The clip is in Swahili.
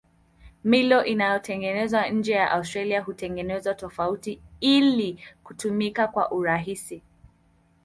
Milo iliyotengenezwa nje ya Australia hutengenezwa tofauti ili kutumika kwa urahisi.